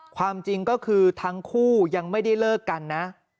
ความจริงก็คือทั้งคู่ยังไม่ได้เลิกกันนะ